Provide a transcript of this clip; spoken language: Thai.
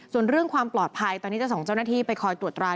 ส่วนเรื่องความปลอดภัยตอนนี้จะส่งเจ้าหน้าที่ไปคอยตรวจตรา